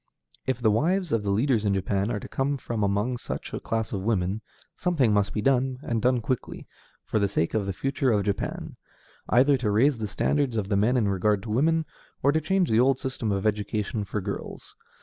If the wives of the leaders in Japan are to come from among such a class of women, something must be done, and done quickly, for the sake of the future of Japan; either to raise the standards of the men in regard to women, or to change the old system of education for girls.